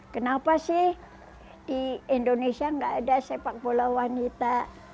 kenapa sih di indonesia nggak ada sepak bola wanita